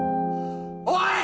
おい！